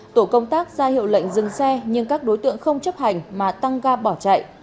tổ công tác ra hiệu lệnh dừng xe nhưng các đối tượng không chấp hành mà tăng ga bỏ chạy